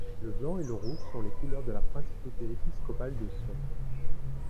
Le blanc et le rouge sont les couleurs de la principauté épiscopale de Sion.